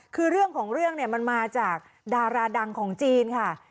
คือเรื่องของเรื่องเนี่ยมันมาจากดาราดังของจีนค่ะ